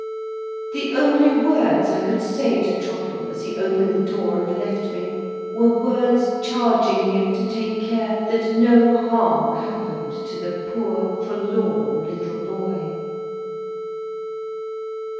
The only words I could say to Trottle as he opened the door and left me, were words charging him to take care that no harm happened to the poor forlorn little boy.